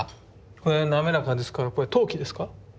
これは滑らかですからこれ陶器ですか？